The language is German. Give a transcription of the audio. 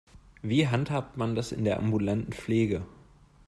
Wie handhabt man das in der ambulanten Pflege?